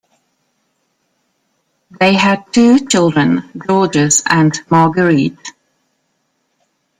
They had two children, Georges and Marguerite.